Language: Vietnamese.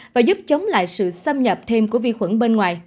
và giúp chống lại sự xâm nhập thêm của virus